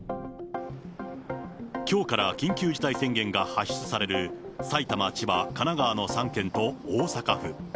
きょうから緊急事態宣言が発出される埼玉、千葉、神奈川の３県と、大阪府。